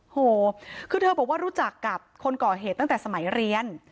โหคือเธอบอกว่ารู้จักกับคนก่อเหตุตั้งแต่สมัยเรียน